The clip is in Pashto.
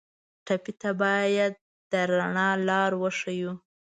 ټپي ته باید د رڼا لار وښیو.